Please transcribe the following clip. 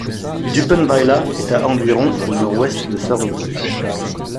Düppenweiler est à environ au nord-ouest de Sarrebruck.